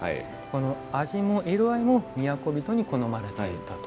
味も色合いも都人に好まれていたと。